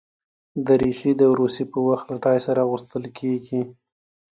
دریشي د عروسي پر وخت له ټای سره اغوستل کېږي.